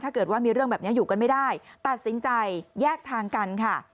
ถ้าเกิดว่ามีเรื่องแบบนี้อยู่กันไม่ได้ตัดสินใจแยกทางกันค่ะ